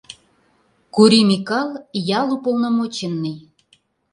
Кури Микал — ял уполномоченный!